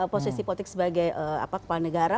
posisi politik sebagai kepala negara